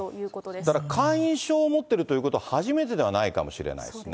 だから会員証を持ってるってことは、初めてではないかもしれないですね。